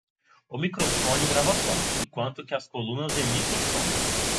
O microfone grava som, enquanto que as colunas emitem som.